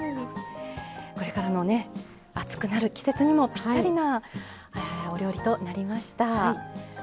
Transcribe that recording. これからの暑くなる季節にもぴったりなお料理となりました。